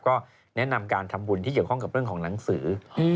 ก็แนะนำการทำบุญที่เกี่ยวข้องกับเรื่องของหนังสือ